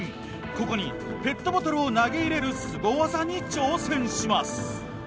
ここにペットボトルを投げ入れるすごワザに挑戦します。